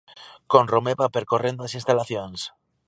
Con Romeva percorrendo as instalacións.